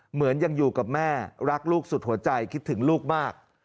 เหมือนยังอยู่กับแม่รักลูกสุดหัวใจคิดถึงลูกมาก